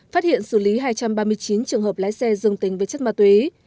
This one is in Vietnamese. phát hiện xử lý hai trăm ba mươi chín trường hợp lái xe dương tính với chất ma túy